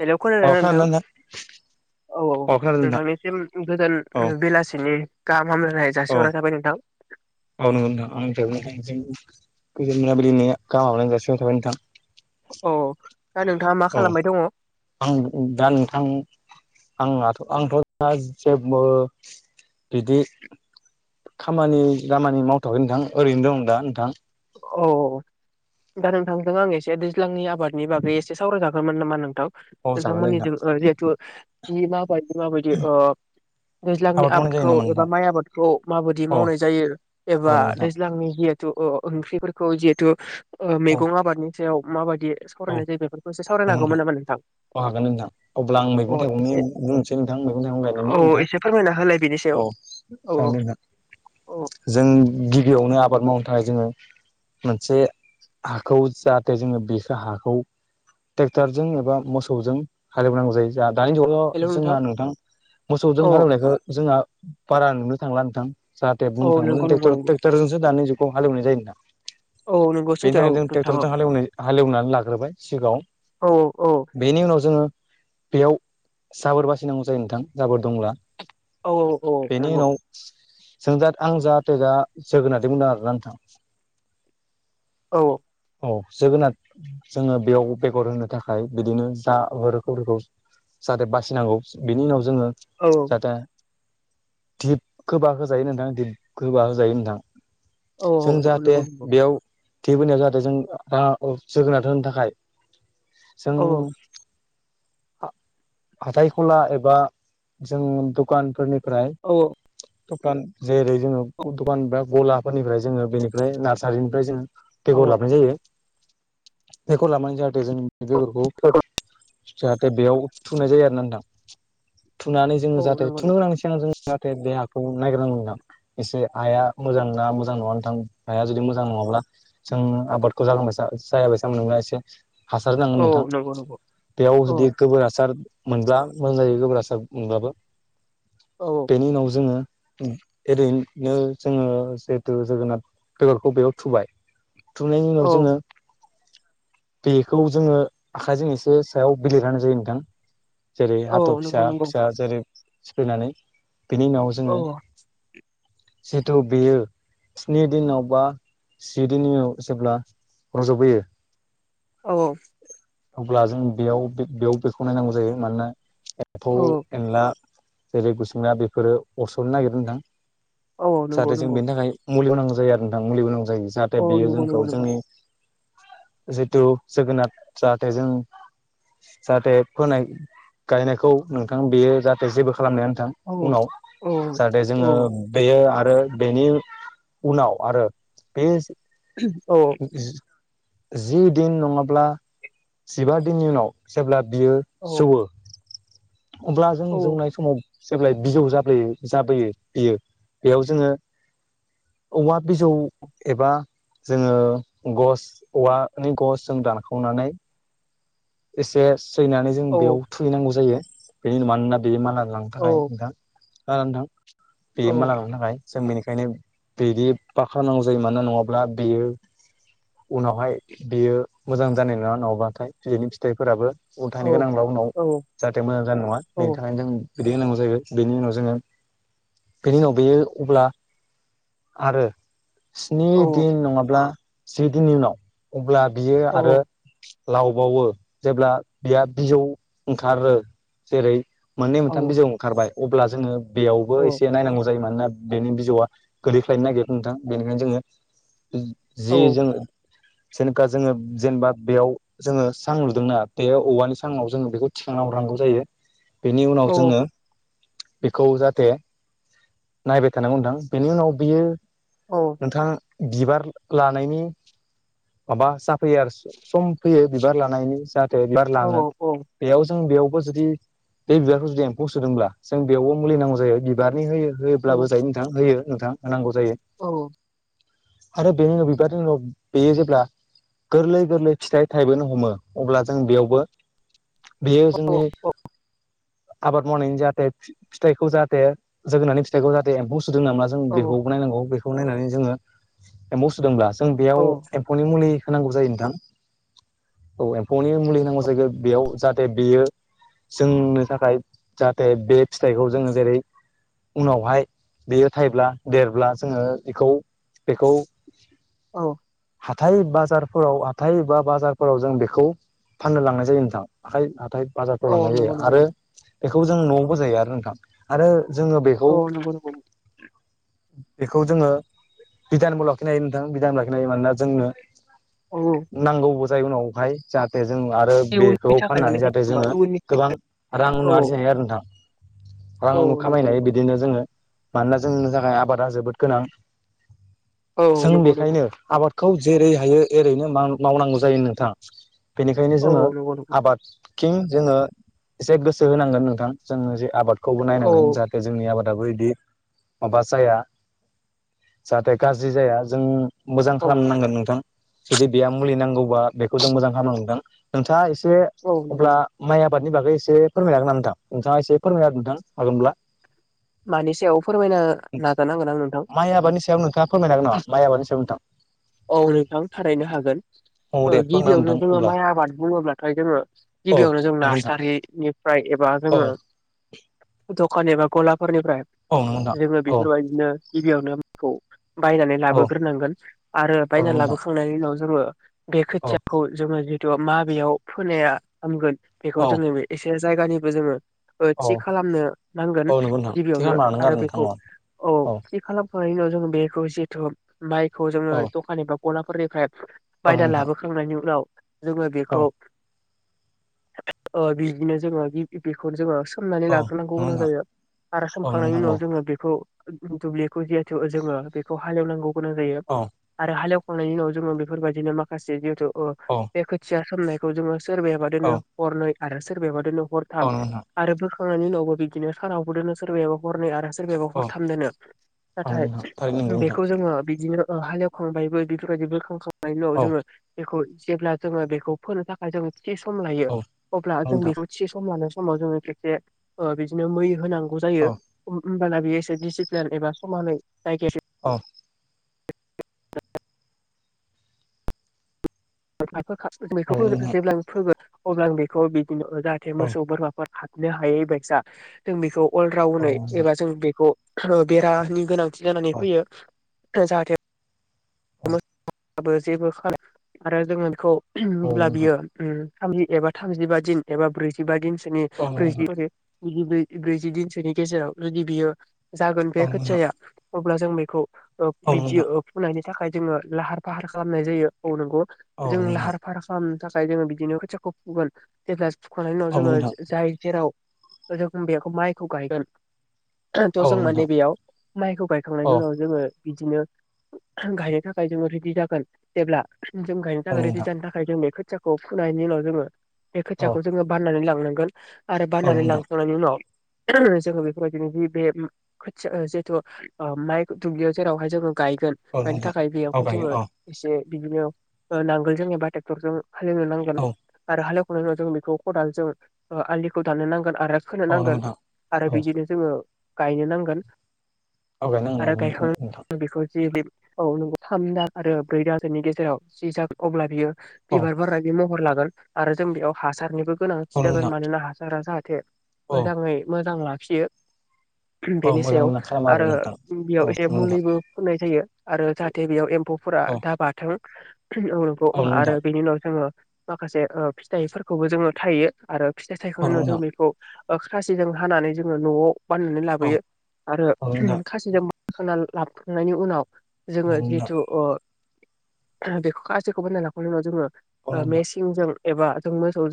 Hello खोनादोंना नोंथां अफला ना औ औ नोंथांनिसिम गोजान औ बेलासिनि गाहाम हामलायनाय औ जासिहरनाय थाबाय नोंथां औनो आं गोजोन मोनाबिलिनि गाहाम हामलायनाय जासिहरबाय नोंथां औ दा नोंथाङा मा औ खालामबाय दङ आं दा नोंथां आंनाथ' आंथ' दा जेबो बिदि खामानि दामानि मावथ'वाखै नोंथां ओरैनो दं दा नोंथां औ दा नोंथांजों आं एसे दैज्लांनि आबादनि बागै एसे सावरायजागौमोन नामा नोंथां? औ जागोन दे नोंथां नोंथांमोननिजों जिहेतु माबायदि माबायदि ओ दैज्लांनि आबाद मावनाय जायो आबादखौ नामा एबा नोंथां माइ आबादखौ माबायदि औ मावनाय जायो औ एबा नोंथां दैज्लांनि जि ओ अ' ओंख्रिफोरखौ जिहेथु औ मैगं आबादनि सायाव मा बायदि औ सावरायनाय जायो बेफोरखौ एसे सावरायनो हागौमोन नामा नोंथां? औ हागोन नोंथां । अब्ला आं अ मैगं थाइगंनि एसे बुंसै नोंथां मैगं थाइगं गायनायनि औ नोंथां एसे फोरमायना होलाय बेनि सायाव औ औ औ औ जों गिबियावनो आब आबाद मावनो थाखाय जोङो मोनसे हाखौ जाहाथे जोङो बे हाखौ ट्रेक्टरजों एबा मोसौजों हालेवनांगौ जायो जाह दानि जुगाव जोंहा नोंथां मोसौजों औ हालेवनायखौ जोंहा बारा नुनो थांला नोंथां। जाहाथे औ बुंनो थाङोब्ला नंगौ जों नंगौ नंगौ औ ट्रेक्टर-ट्रेक्टरजोंसो दानि जुगखौ हालेवनाय जायोना? औ नंगौ बेनि सैथो औ थाखायनो जों नोंथां औ ट्रेक्ट'रजों हालेवनाय हालेवनानै लाग्रोबाय सिगाङाव औ बेनि उनाव जोङो बेयाव जाबोर बासिनांगौ जायो नोंथां जाबोर दंब्ला। औ औ बेनि नंगौ उनाव जों दा आं जा दा जोगोनारमोन आरोना नोंथां। औ। औ जोगोनार जोङो बेयाव बेगर होनो थाखाय बिदिनो जा रोखम रोखोम जाहाथे बासिनांगौ बिनि उनाव जोङो नंगौ जाहाथे दिप खोबा खोजायो नोंथां दिप खोबा खोजायो नोंथां। औ जों औ जाहाथे नंगौ नंगौ बेयाव थैबोनायाव जाहाथे जों राहा जोगोनार होनो थाखाय जों औ हाथाय गला एबा जों दखानफोरनि औ। दखान जेरै जोङो दखान गलाफोरनिफ्राय जोङो बेनिफ्राय नार्सारिनिफ्राय जोङो बेगर लाबोनाय जायो। बेगर लाबानै जाहाथे जों बेगरखौ जाहाथे बेयाव थुनाय जायो आरोना नोंथां। थुनानै जोङो औ जाहाथे औ थुनो गोनांनि सिगां जों जाहाथे बे हाखौ नायग्रोनांगोन नोंथां। एसे हाया मोजां ना मोजां नङा नोंथां हाया जुदि मोजां नङाब्ला जों आबादखौ जागोनखौ साना। जायाबायसा मोनोब्ला एसे हासार होनांगोन औ नोंथां। नंगौ नंगौ बेयाव औ जुदि गोबोर हासार मोनब्ला मोजां जायो गोबोर हासार मोनब्लाबो। नंगौ नंगौ औ बेनि उनाव जोङो ओरैनो जोङो जिहेतु जोगोनाथ बेगरखौ बेयाव थुबाय थुंनायनि उनाव औ जोङो बेखौ जोङो आखाइजों एसे सायाव बिलिरना होनाय जायो नोंथां। जेरै औ हाथर नंगौ फिसा- नंगौ फिसा जेरै सिप्लेनानै बिनि उनाव जोङो औ जिथु बेयो स्नि दिनाव बा जि दिनाव जेब्ला रज'बोयो औ अब्ला जों बेयाव बेयाव बेखौ नायनांगौ जायो मानोना एम्फौ औ एनला जेरै- खुसुंया बेफोरो अरसरनो नागिरो नोंथां। औ नंगौ जाहाथे जों नंगौ बेनि थाखाय मुलियाव होनांगौ जायो आरो नोंथां मुलि होनोगोनां जायो। जाहाथे औ बेयो नंगौ नंगौ जोंखौ नंगौ जोंनि जितु जोगोनार जाहाथे जों जाहाथे फोनाय गायनायखौ नोंथां बेयो जाहाथे जेबो खालामनो हाया नोथां औ उनाव औ जाहाथे औ जोङो बेयो आरो बेनि उनाव आरो बे औ जि दिन नङाब्ला जिबा दिननि उनाव जेब्ला बियो औ जौवो अब्ला जों जौनाय समाव जेब्लााय बिजौ जाबोयो जाबोयो बियो बेयाव जोङो औवा बिजौ एबा जोङो गस औवानि गस जों दानखावनानै एसे सैनानै जों बेयाव थुहैनांगौ जायो बेनि मानोना बेयो माला लांनो औ थाखाय नोंथां ओ नोंथां माला लांनो थाखाय जों बेनिखायनो बिदि बाख्रा नांगौ जायो मानोना नङाब्ला बेयो उनावहाय बियो मोजां जानाय नङा नङाबाथाय [unintelligible] फिथाइफोराबो औ उल्थायानो गोनांब्ला उनाव जाहाथे मोजां जानाय नङा बेनि थाखायनो जों बिदै होनांगौ जाहैबाय बेनि उनाव जोङो बेनि उनाव बेयो अब्ला आरो स्नि दिन नङाब्ला जि दिननि उनाव अब्ला बियो आरो लावबावो जेब्ला बेहा बिजौ ओंखारो जेरै मोननै औ मोनथाम बिजौ ओंखारबाय अब्ला जोङो औ बेयावबो एसे नायनांगौ जायो मानोना बेनो बिजौआ गोदैख्लायनो नागिरदों नोंथां बेनिखायनो जोङो जि औ जोंडों जेनेखा जोङो जेनेबा बेयाव जोङो सां दोंना बे औवानि साङाव जोङो बेखौ थिखांना हरनांगौ जायो बेनि उनाव औ जोङो बेखौ जाहाथे नायबाय थानांगौ नोंथां बेनि उनाव बियो औ नोंथां बिबार लानायनि माबा जाफैयो आरो सम फैयो बिबार लानायनि बार औ लाङो औ बेयाव जों बेयाव जुदि बे बिबारखौ जुदि एम्फौ सोदोंब्ला जों बेयावबो मुलि नांगौ जायो बिबारनि होयो होयोब्लाबो औ जायो नोंथां होयो नोंथां नांगौ। औ आरो बेनि उनाव बिबारनि उनाव बेयो जेब्ला गोरलै गोरलै फिथाइ थायबोनो हमो अब्ला जों बेयावबो बेयो जोंनि आबाद मावनायनि जाहाथे फिथाइखौ जाहाथे जोगोनारनि फिथाइखौ जाहाथे एम्फौ सुदों नामा जों औ बेखौ नायनांगौ बेखौ नायनानै जोङो एम्फौ सुदोंब्ला जों बेयाव औ एम्फौनि मुलि होनांगौ जायो नोंथां औ एम्फौनि मुलि होनांगौ जायग बेयाव जाहाथे बेयो। जोंनो थाखाय जाहाथे बे फिथाइखौ जोङो जेरै उनावहाय बेयो थाइब्ला देरब्ला जोङो बेखौ बेखौ औ हाथाय बाजारफोराव हाथाय बा बाजारफोराव जों बे खौ फाननो लांनाय जायो नोंथां आखाइ हाथाय औ बाजारफ्राव लांनाय जायो नंगौ नंगौ आरो नंगौ बेखौ जों न' जायो आरो नोंथां आरो जोङो बेखौ औ नंगौ नंगौ बेखौ जोङो बिधानबो लाखिनो हायो नोंथां बिधानबो लाखिनो हायो मानोना जोंनो औ नांगौबो जायो उनावहाय जाहाथे जों आरो बेखौ इयुननि थाखाय माने फाननानै जाहाथे जेनेबा जोङो इयुननि गोबां रां औ नु आरजिनो हायो आरो नोंथां औ रां नंगौ खामायनाय नंगौ बिदिनो जोङो मानोना जोंनि थाखाय आबादा जोबोद गोनां जों बेखायनो आबादखौ जेरै हायो एरैनो मावनांगौ जायो नोंथाङा बेनिखायनो औ जोङो नंगौ नंगौ आबादथिं जोङो एसे गोसो होनांगोन नोंथां जोङो जे आबादखौबो नायनांगोन जाहाथे जोंनि आबाद दाबो बिदि माबा जाया जाहाथे गाज्रि जाया जों मोजां खालामनांगोन नोंथां जुदि बेहा मुलि नांगौबा बेखौ जों मोजां खालामन नोंथां नोंथाङा से अब्ला माइ आबादनि बागै एसे फोरमायनो हागोन नोंथां नोंथाङा एसे फोरमायना नोंथां हागोनब्ला मानि सायाव फोरमायनो नाजानांगोन आं नोंथां माइ आबादनि सायाव नोंथाङा फोरमायनो हागोन नामा माइ आबादनि सायाव नोंथां औ नोंथां थारायनो हागोन औ दे फोरमायना हो गिबियावनो नोंथां जों अब्ला माइ आबाद बुङोब्लाथाय जोङो औ गिबियावनो जों नंगौ नोंथां नार्सारिनिफ्राय एबा औ जोङो [unintelligible] [inaudible] दखान एबा गलाफोरनिफ्राय औ नंगौ नोंथां जोङो औ बेफोरबायदिनो गिबियावनो बायनानै औ लाबोग्रोनांगोन आरो औ बायनानै नंगौ नोंथां लाबोखांनायनि उनाव जोङो बे औ खोथियाखौ जोङो जितु माबेयाव फोनाया हामगोन बेखौ औ औ जोङो बे एसे जायगानिबो जोङो अ थि खालामनो नांगोन औ नंगौ नोंथां थिग गिबियावनो होनना नों आरो नोंथां बेखौ औ औ थि खालाम खांनायनि उनाव जों बेखौ जिहेथु माइखौ जोङो दखान एबा गलाफोरनिफ्राय औ नंगौ बायना नोंथां लाबोखांनायनि उनाव जोङो बेखौ औ अ बिदिनो जोङो बेखौनो जोङो सोमनानै लाग्रोनांगौ औ नंगौ गोनां नोंथां जायो आरो औ नंगौ खोमखांनायनि नोंथां उनाव जोङो बेखौ दुब्लिखौ जिहेतु जोङो बेखौ हालेवनांगौ गोनां जायो अ आरो हालेवखांनायनि उनाव जोङो बेफोरबायदिनो माखासे जिहेतु अ औ बे खोथिया सामनायखौ जोङो सोरबाया बादिनो औ हरनै आरो सोरबाया बादिनो हरथाम औ नंगौ नोंथां आरोबो खांनायनि उनावबो बिदिनो सारावबो दोननो सोरबायाबो हरन आरो सोरबबा औ हरथामदो औ नाथाय नोंथां थारै नंगौ नोंथां बेखौ जोङो बिदिनो अ हालेवखांबायबो बेफोरबायदि बोखांखांनायनि उनाव औ जोङो बेखौ जेब्ला जोङो बेखौ फोनो थाखाय जो थि सम लायो औ अब्ला औ जों नोंथां बेखौ थि सम लानो समाव जोङो खेबसे बिदिनो मै होनांगौ जायो औ होनोमबाना बेयो एसे दिसिप्लिन एबा समानै जायगाया अ औ मैखौ नोंथां जेब्ला फोगोन अब्ला आ बेखौ बिदिनो जाहाथे औ मोसौ बोरमाफोर हाबनो हायै बाइसा जों बेखौ अल औ राउनै नोंथां एबा जों बेखौ बेरानि गोनांथि जानानै औ फैयो जाहाथे औ बो जेबो आरो जोङो बेखौ औ अब्ला नोंथां बियो थामजि एबा थामजिबा दिन एबा ब्रैजिबा दिनसोनि औ नोंथां ब्रैजिब ब्रैजि दिनसोनि गेजेराव जुदि बियो जागोन बे औ नोंथां खोथियाया अब्ला जों बेखौ अ औ बिदि नोंथां अ फुनायनि थाखाय जोङो लाहार फाहार खालामनाय जायो औ नोंगौ औ जों नोंथां लाहार फाहार खालामनो थाखाय जोङो बिदिनो खुथियाखौ फुगोन जेब्ला फुखांनायनि उनाव औ जोङो नोंथां जाय जेराव जोखोम बेयाखौ माइखौ गायगोन थ' औ जों माने नोंथां बेयाव माइखौ औ गायखांनायनि उनाव जोङो बिदिनो गायनो थाखाय जोङो रेडि जागोन जेब्ला जों गायनो थाखायोन रेडि नोंथां जानो थाखाय जों बेखौ खोथियाखौ फोनायनि उनाव जोङो बे औ खोथियाखौ जोङो बाननानै लांनांगोन आरो बाननानै नोंथां लांखांनायनि उनाव जोङो बेफोरबायदिनो बे खोथिया जिहेथु अमाइ दुब्लियाव जेरावहाय जोङो गायगोन औ गायनो नोंथां थाखाय औ बेयावहाय गायगोन जोङो औ एसे बिदिनो ओ नांगोल जों एबा ट्रेक्टर जों हालेवनो नांगोन औ आरो हाल जों बेखौ खदालजों ओ आलिखौ थानो नां गोन आरो खो औ नांगोन नोंथां आरो औ बिदिनो जोङो गायनो नांगोन औ आरो गायनांगोन औ गायखां नोंथां बेखौ जे बे औ नोंगौ थाम दा आरो ब्रै दासोनि गेजेराव जि जाग अब्ला बियो औ बिबार बारनाय बे महर लागोन आरो जों बेयाव हासारनिबो गोनांथि औ जागोन नोंथां मानोना हासारा जाहाथे थे औ मोजाङै मोजां लाखियो औ बेनि मोजां सायाव मोजां खालाम आरो नोंथां औ बेयाव एसे नोंथां मुलिबो फोननाय जायो आरो जाहाथे बेयाव एम फौ'फोरा औ दा बाथों नोंगौ औ नोंथां आरो बेनि उनाव जोङो माखासे ओ फिथाइफोरखौबो जोङो थायो आरो फिथाइ औ थायखांनाय उनाव जों नोंथां बेखौ खासिजों हानानै जोङो न'आव बाननानै औ लाबोयो आरो औ नोंथां खासिजों खा लाबखांनायनि उनाव औ जोङो नोंथां जिहेथु ओ बेखौ गाजैखौ बायना लाखांनायनि उनाव जोङो औ ओ नोंथां मेसिंजों एबा जों मोसौ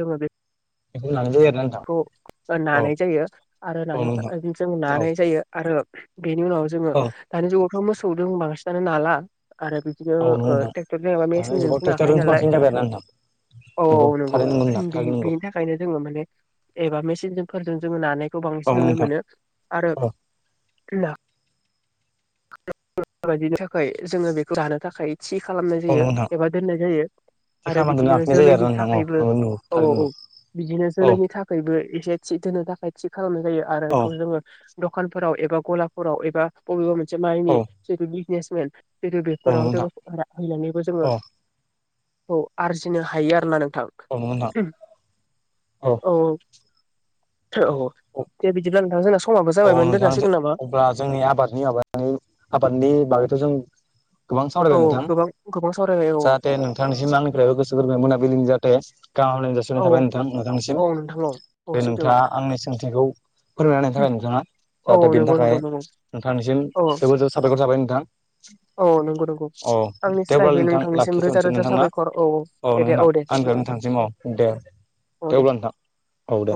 जोङो बे [unintelligible] खौ औ नानाय जायो आरो औ नानो नोंथां थाखाय जों औ नानाय जायो आरो बेनि उनाव जोङो औ दानि जुगावथ' मोसौ दों बांसिनानो नाला। आरो बिदिनो औ नंगौ ओ नोंथां ट्रेक्टर एबा दानि जुगाव मेसिनजोंसो नाखायो ट्रेक्टरजोंसो नालाय। बांसिन जाबाय आरोना नोंथां औ औ नंगौ थारैनो बे नंगौ बेनि थाखायनो जोङो माने एबा मेचिनफोरजों जोङो नानायखौ बांसिन नोंथां नुनो थारैनो मोनो आरो नंगौ [unintelligible] बायदिनि थाखाय जोङो बेखौ जानो थाखाय थि खालामनाय औ नंगौ नोंथां औ नंगौ जायो नोंथां एबा दोननाय जायो। थि आरो खालामनानै बिदिनो लाखिनाय जायो जोलैनि आरोना थाखायबो नोंथां नंगौ नंगौ औ थारैनो औ नंगौ बिदिनो औ जोलैनि थाखायबो एसे थि दोनो थाखाय थि खालामनाय जायो आरो औ बेखौ जोङो दखानफोराव एबा गलाफोराव एबा बबेबा मोनसे औ माइनि जिथु बिजनेसमेन जेरै औ नंगौ बेफोराव जोङो नोंथां हैनानैबो जोङो औ औ आरजिनो हायो आरोना नोंथां औ नंगौ नोंथां औ औ। औ दे बिदिब्ला नोंथां स औ नोंथां अब्ला जोंनि आबादनि माबा आबादनि बागैथ' जों गोबां औ सावरायबाय नोंथां गोबां गोबां सावरायबाय औ जाहाथे नोंथांनिसिम आंनिफ्रायबो गोसो गोरबोनि मोनाबिलिनि जाहाथे गाहाम हामलायनाय औ जासिनाय थाबाय नोंथां नोंथांनिसिम। औ नोंथां औ। औ बे सैथो नोंथाङा आंनि सोंथिखौ फोरमायनायनि थाखाय नों थाङा औ जाहाथे बेनि नंगौ थाखाय नंगौ नंगौ नोंथांनिसिम औ जोबोद जोबोद साबायखर थाबाय नोंथां। औ नंगौ नंगौ औ आंनि दे अब्ला स्रायबो नोंथां नोंथांनिसिम रोजा लाखिथ'नोसै रोजा नोंथां ना साबायखर औ दे दे नोंथां। दे आंनिफ्रायबो नोंथांनिसिम औ दे दे अब्ला नोंथां औ दे।